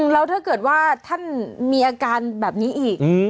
แล้วถ้าเกิดว่าท่านมีอาการแบบนี้อีก